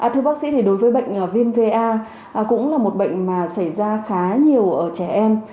thưa bác sĩ thì đối với bệnh viêm ga cũng là một bệnh mà xảy ra khá nhiều ở trẻ em